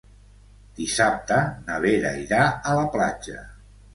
Dissabte na Vera irà a la platja.